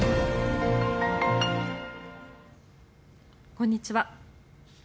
こんにちは。